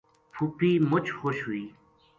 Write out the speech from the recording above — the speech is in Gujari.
پھوپھی مچ خوش ہوئی